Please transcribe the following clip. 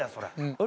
「あれ？